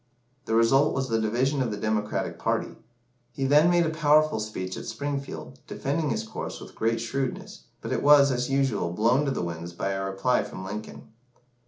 The result was the division of the Democratic party. He then made a powerful speech at Springfield, defending his course with great shrewdness, but it was, as usual, blown to the winds by a reply from Lincoln.